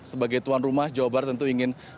sebagai tuan rumah jawa barat tentu ingin